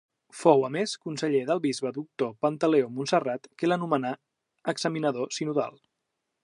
Fou, a més, conseller del bisbe doctor Pantaleó Montserrat, que l'anomenà examinador sinodal.